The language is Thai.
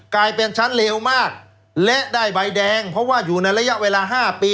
กลายเป็นชั้นเลวมากและได้ใบแดงเพราะว่าอยู่ในระยะเวลา๕ปี